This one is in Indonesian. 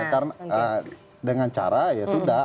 karena dengan cara ya sudah